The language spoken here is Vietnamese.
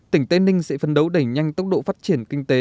tỉnh tây ninh sẽ phân đấu đẩy nhanh tốc độ phát triển